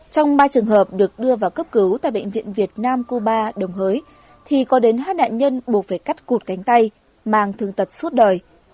trong ba trường hợp được đưa vào cấp cứu tại bệnh viện việt nam cô ba đồng hới thì có đến hai nạn nhân buộc phải cắt cụt cánh tay mang thương tật suốt đời